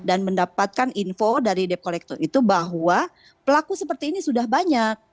dan mendapatkan info dari debt collector itu bahwa pelaku seperti ini sudah banyak